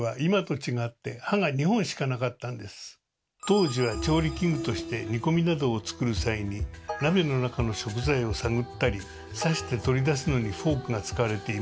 当時は調理器具として煮込みなどを作る際に鍋の中の食材を探ったり刺して取り出すのにフォークが使われていました。